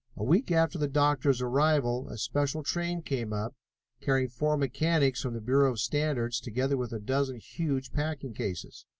A week after the doctor's arrival, a special train came up, carrying four mechanics from the Bureau of Standards, together with a dozen huge packing cases.